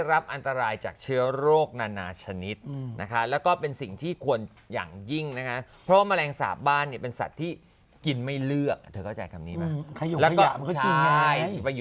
อายุขนาดนั้นนะไม่ด้วยและสูงถึง๔๓๐๐เมตรด้วย